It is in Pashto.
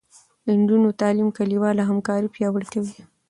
د نجونو تعلیم کلیواله همکاري پیاوړې کوي.